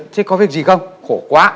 thế có việc gì không khổ quá